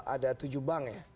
ada tujuh bank ya